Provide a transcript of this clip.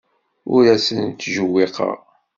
Ur asen-ttjewwiqeɣ.